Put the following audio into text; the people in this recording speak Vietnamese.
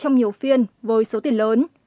trong nhiều phiên với số tiền lớn